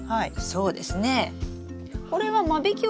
そうですね。